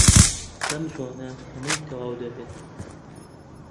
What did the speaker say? بەم زووانە هەمووی تەواو دەبێت.